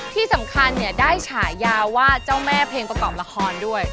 ที่สำคัญเนี่ยได้ฉายาว่าเจ้าแม่เพลงประกอบละครด้วย